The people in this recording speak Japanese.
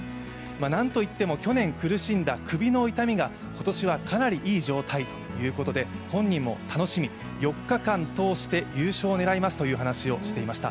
なんといっても去年苦しんだ首の痛みが今年はかなりいい状態ということで本人も楽しみ、４日間通して優勝を狙いますという話をしていました。